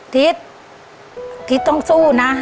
ทิศทิศต้องสู้นะ